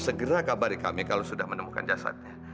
segera beritahu kami bila sudah menemukan adiknya